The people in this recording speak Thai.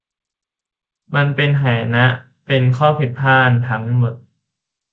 มันเป็นหายนะ เป็นข้อผิดพลาดทั้งหมด